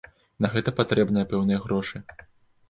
На гэта патрэбныя пэўныя грошы.